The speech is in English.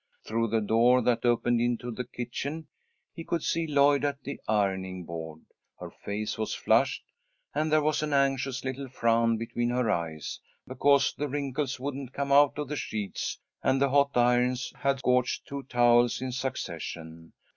Through the door that opened into the kitchen, he could see Lloyd at the ironing board. Her face was flushed, and there was an anxious little frown between her eyes, because the wrinkles wouldn't come out of the sheets, and the hot irons had scorched two towels in succession.